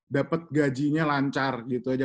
dapat gajinya lancar gitu aja